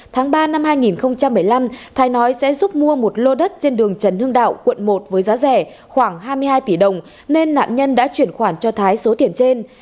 tháng ba năm hai nghìn một mươi năm thái nói sẽ giúp mua một lô đất trên đường trần hưng đạo quận một với giá rẻ khoảng hai mươi hai tỷ đồng nên nạn nhân đã chuyển khoản cho thái số tiền trên